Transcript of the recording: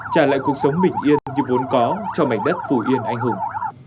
trả lại cuộc sống bình yên như vốn có cho mảnh đất phù yên anh hùng